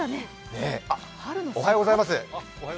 あ、おはようございます。